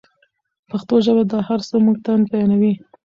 پښتو ژبه دا هر څه موږ ته بیانوي.